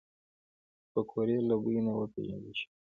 پکورې له بوی نه وپیژندل شي